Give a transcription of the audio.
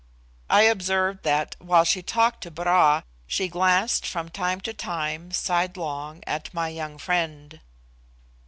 I observed that, while she talked to Bra, she glanced, from time to time, sidelong at my young friend.